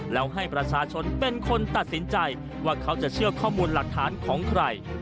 แล้วให้ประชาชนเป็นคนตัดสินใจว่าเขาจะเชื่อข้อมูลหลักฐานของใคร